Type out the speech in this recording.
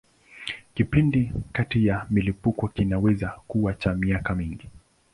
Kipindi kati ya milipuko kinaweza kuwa cha miaka mingi.